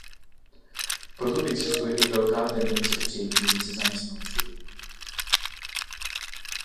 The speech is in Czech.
Proto existuje i velká tendence k přijetí více zaměstnanců.